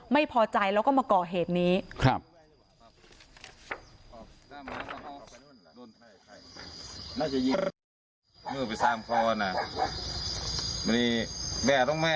ไม่พอใจแล้วก็มาก่อเหตุนี้